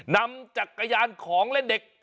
นำจักรยานของเล่นเด็ก